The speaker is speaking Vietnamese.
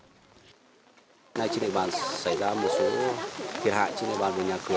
hôm nay trên địa bàn xảy ra một số thiệt hại trên địa bàn về nhà cửa